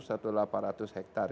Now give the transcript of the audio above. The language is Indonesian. tujuh ratus atau delapan ratus hektar